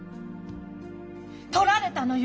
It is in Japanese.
とられたのよ！？